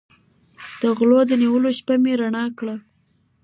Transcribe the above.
د غلو د نیولو شپه مې رڼه کړه.